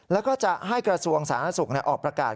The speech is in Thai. แล้วก็จะให้กระทรวงสาธารณสุขออกประกาศ